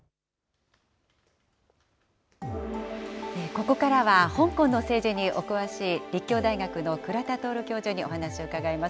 ここからは、香港の政治にお詳しい、立教大学の倉田徹教授に、お話を伺います。